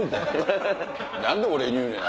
何で俺に言うねん？